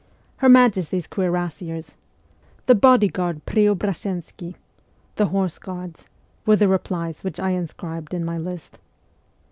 ' Her Majesty's Cuirassiers,' ' The Body Guard Preobrazhensky,' ' The Horse Guards,' were the replies which I inscribed in my list.